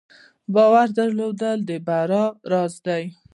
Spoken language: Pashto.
د باور درلودل د بری راز دی.